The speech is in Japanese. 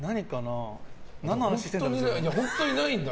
本当にないんだ。